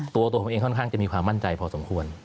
ตัวผมเองค่อนข้างจะมีความมั่นใจพอสมควร